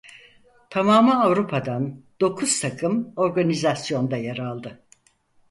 Tamamı Avrupa'dan dokuz takım organizasyonda yer aldı.